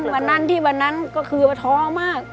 วันนั้นที่วันนั้นก็คือว่าท้อมาก